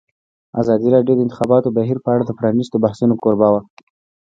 ازادي راډیو د د انتخاباتو بهیر په اړه د پرانیستو بحثونو کوربه وه.